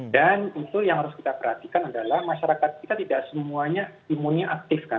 dan itu yang harus kita perhatikan adalah masyarakat kita tidak semuanya imunnya aktif kan